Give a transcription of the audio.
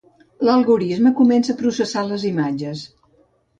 L'algorisme comença a processar les imatges.